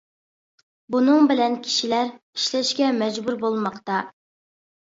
بۇنىڭ بىلەن كىشىلەر ئىشلەشكە مەجبۇر بولماقتا.